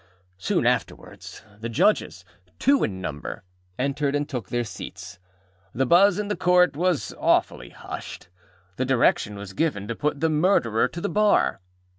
Soon afterwards the Judges, two in number, entered, and took their seats. The buzz in the Court was awfully hushed. The direction was given to put the Murderer to the bar.